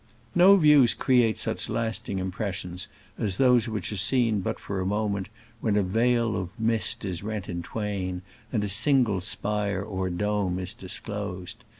No views create such lasting impres sions as those which are seen but for a moment when a veil of mist is rent in twain and a single spire or dome is dis closed.